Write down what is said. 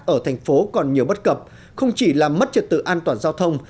ở thành phố còn nhiều bất cập không chỉ làm mất trật tự an toàn giao thông